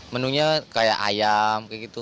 menunya kayak ayam kayak gitu